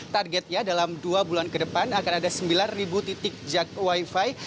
targetnya dalam dua bulan ke depan akan ada sembilan titik jak wifi